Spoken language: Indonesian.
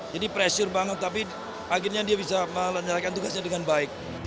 jadi pressure banget tapi akhirnya dia bisa menjalankan tugasnya dengan baik